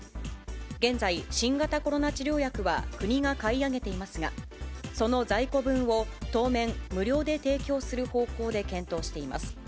現在、新型コロナ治療薬は国が買い上げていますが、その在庫分を当面、無料で提供する方向で検討しています。